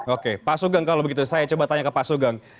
oke pak sugeng kalau begitu saya coba tanya ke pak sugeng